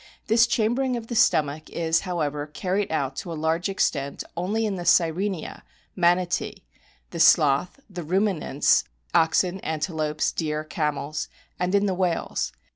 This chambering of the stomach is, however, carried out to a large extent only in the Sirenia (Manatee), the Sloth, the Ruminants (oxen, antelopes, deer, camels), and in the whales.